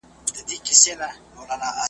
پنځه شپږ ځله يې خپل مېړه ټېله كړ .